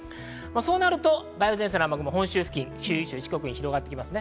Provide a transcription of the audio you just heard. そうなると梅雨前線の雨雲、本州付近、九州、四国に広がってきます。